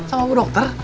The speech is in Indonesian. sama bu dokter